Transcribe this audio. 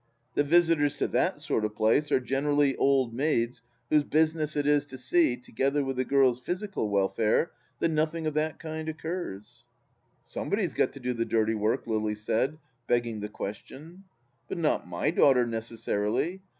The visitors to that sort of place are generally old maids whose business it is to see, together with the girls' physical welfare, that nothing of that kind occurs 1 "" Somebody's got to do the dirty work," Lily said, begg ng the question. " But not my daughter necessarily.